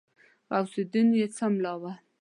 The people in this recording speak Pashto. غوث الدين يې څملاوه.